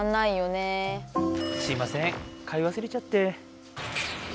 すいません買いわすれちゃって。